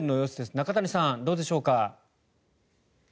中谷さん、どうでしょうか。